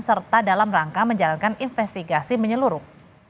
serta dalam rangka menjalankan investigasi menyeluruh